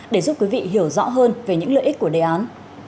để giúp quý vị hiểu rõ hơn về những lợi ích của đề án